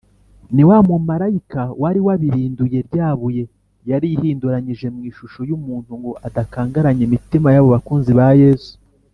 ni wa mumarayika wari wabirinduye rya buye yari yihinduranyije mu ishusho y’umuntu ngo adakangaranya imitima y’abo bakunzi ba yesu